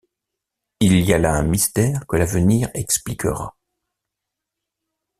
Il y a là un mystère que l’avenir expliquera.